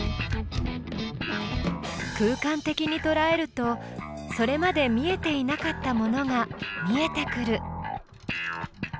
空間的にとらえるとそれまで見えていなかったものが見えてくる。